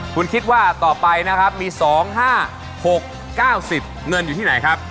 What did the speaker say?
คุณคิดว่าต่อไปนะครับมี๒๕๖๙๐เงินอยู่ที่ไหนครับ